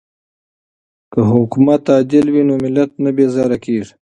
که حکومت عادل وي نو ملت نه بیزاره کیږي.